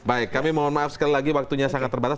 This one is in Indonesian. baik kami mohon maaf sekali lagi waktunya sangat terbatas